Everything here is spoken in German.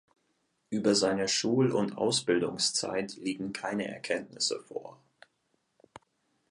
Über seine Schul- und Ausbildungszeit liegen keine Erkenntnisse vor.